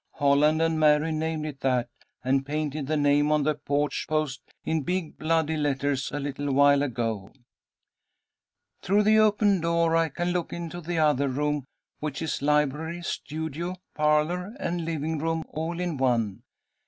Holland and Mary named it that, and painted the name on the porch post in big bloody letters a little while ago. "'Through the open door I can look into the other room, which is library, studio, parlour, and living room all in one.